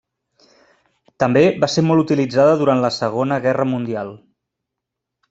També va ser molt utilitzada durant la Segona Guerra Mundial.